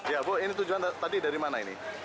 ya bu ini tujuan tadi dari mana ini